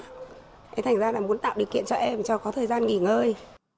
thế thành ra là muốn tạo điều kiện cho em cho có thời gian nghỉ ngơi